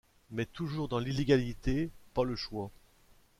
Mais toujours dans l’illégalité, pas le choix.